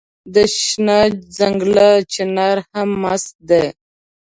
د شنه ځنګل چنار هم مست دی